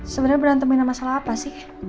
sebenernya berantem dengan masalah apa sih